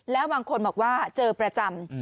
แล้วบางคนบอกว่าเจอประจำ